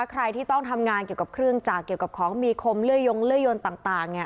ใครที่ต้องทำงานเกี่ยวกับเครื่องจากเกี่ยวกับของมีคมเลื่อยยงเลื่อยยนต่างเนี่ย